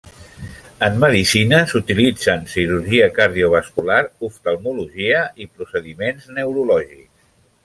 En Medicina s'utilitza en cirurgia cardiovascular, oftalmologia i procediments neurològics.